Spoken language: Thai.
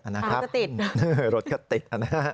อันนั้นครับรถก็ติด